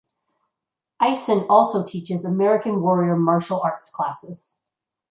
Eisen also teaches American Warrior Martial Arts classes.